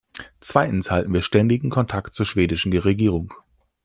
Zweitens halten wir ständigen Kontakt zur schwedischen Regierung.